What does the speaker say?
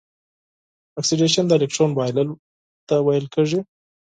اکسیدیشن د الکترون بایلل ویل کیږي.